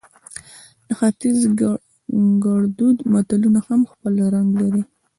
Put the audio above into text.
د ختیز ګړدود متلونه هم خپل رنګ لري